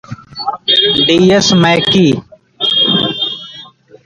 D. S. MacKay.